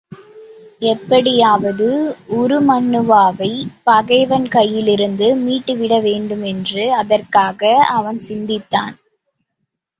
எப்படியாவது உருமண்ணுவாவைப் பகைவன் கையிலிருந்து மீட்டுவிட வேண்டும் என்றும் அதற்காக அவன் சிந்தித்தான்.